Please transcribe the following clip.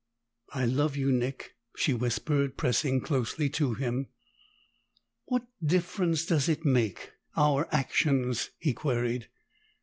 "I love you, Nick!" she whispered, pressing closely to him. "What difference does it make our actions?" he queried.